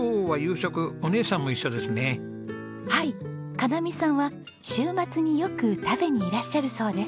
香奈見さんは週末によく食べにいらっしゃるそうです。